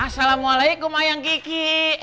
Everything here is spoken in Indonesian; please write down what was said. assalamualaikum ayang kiki